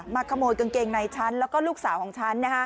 ขโมยกางเกงในฉันแล้วก็ลูกสาวของฉัน